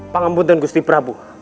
pangambut dan gusti prabu